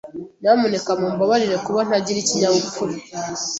Nyamuneka mumbabarire kuba ntagira ikinyabupfura.